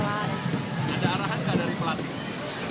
ada arahan dari pelatih